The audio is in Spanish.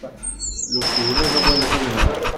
Los tiburones no pueden dejar de nadar.